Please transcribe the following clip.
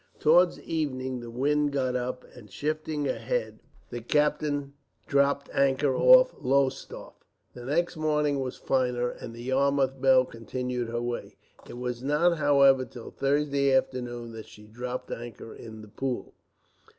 Towards evening the wind got up, and shifting ahead, the captain dropped anchor off Lowestoft. The next morning was finer, and the Yarmouth Belle continued her way. It was not, however, till Thursday afternoon that she dropped anchor in the Pool.